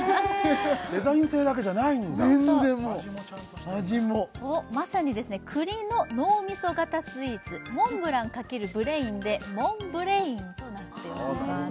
デザイン性だけじゃないんだ全然もう味もまさに栗の脳みそ型スイーツモンブランかけるブレインでモンブレインとなっております